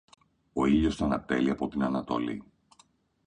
Ο ήλιος ανατέλει από την ανατολή.